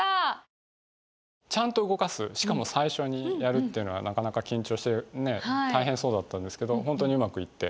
ちゃんと動かすしかも最初にやるっていうのはなかなか緊張して大変そうだったんですけど本当にうまくいって。